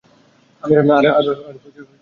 আর মিথ্যা চাই না।